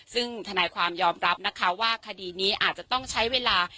ซึ่งธนายความยอมรับนะคะว่าคดีนี้อาจจะต้องใช้เวลา